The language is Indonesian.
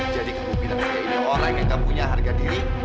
jadi kamu bilang saya ini orang yang gak punya harga kiri